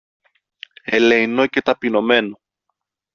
ελεεινό και ταπεινωμένο.